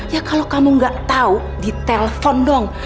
ya kalau kamu gak tahu ditelepon dong